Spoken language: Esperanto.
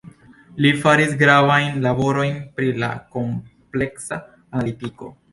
Li faris gravajn laborojn pri la kompleksa analitiko.